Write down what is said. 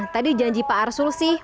tadi janji pak arsul sih